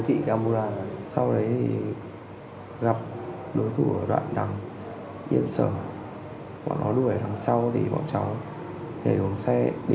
thì bên họ cũng chạy đi